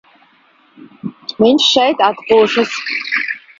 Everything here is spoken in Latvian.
Viņš šeit atpūšas.